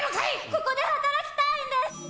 ここで働きたいんです。